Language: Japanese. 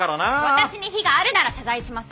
私に非があるなら謝罪します。